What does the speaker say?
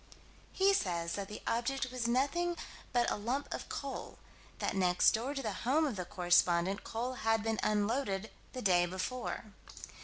He says that the object was nothing but a lump of coal: that next door to the home of the correspondent coal had been unloaded the day before.